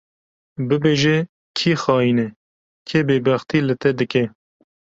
Bibêje kî xayîn e, kê bêbextî li te dike